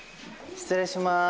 失礼します。